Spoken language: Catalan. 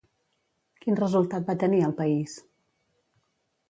Quin resultat va tenir al país?